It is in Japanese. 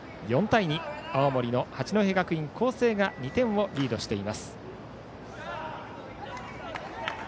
４対２と青森の八戸学院光星が２点をリードしています。